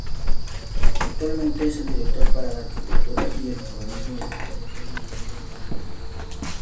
Actualmente, es el director para la arquitectura y el urbanismo del "Greater London Authority".